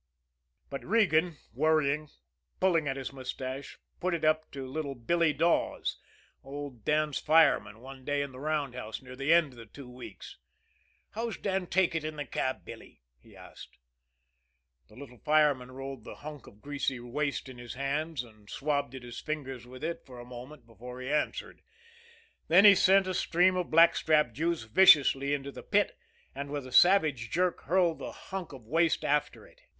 But Regan, worrying, pulling at his mustache, put it up to little Billy Dawes, old Dan's fireman, one day in the roundhouse near the end of the two weeks. "How's Dan take it in the cab, Billy?" he asked. The little fireman rolled the hunk of greasy waste in his hands, and swabbed at his fingers with it for a moment before he answered; then he sent a stream of blackstrap juice viciously into the pit, and with a savage jerk hurled the hunk of waste after it.